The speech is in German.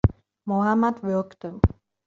Mohammad würgte.